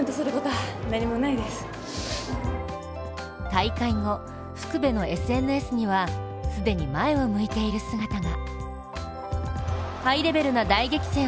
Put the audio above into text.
大会後、福部のＳＮＳには既に前を向いている姿が。